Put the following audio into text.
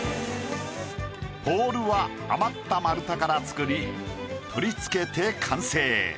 ポールは余った丸太から作り取り付けて完成。